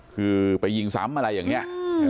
คือไปยิงซ้ำอะไรอย่างนี้